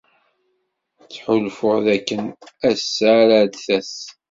Ttḥulfuɣ dakken ass-a ara d-tas.